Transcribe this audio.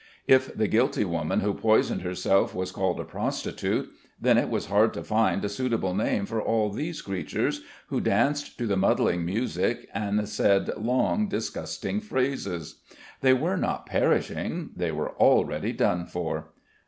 If the guilty woman who poisoned herself was called a prostitute, then it was hard to find a suitable name for all these creatures, who danced to the muddling music and said long, disgusting phrases. They were not perishing; they were already done for.